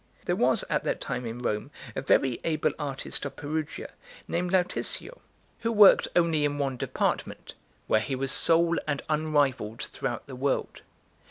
There was at that time in Rome a very able artist of Perugia named Lautizio, who worked only in one department, where he was sole and unrivalled throughout the world.